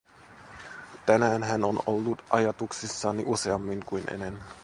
Tänään hän on ollut ajatuksissani useammin kuin ennen.